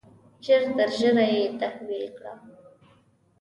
ژر تر ژره یې تحویل کړه.